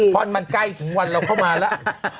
พอมันใกล้ถึงวันเราเข้ามาแล้ว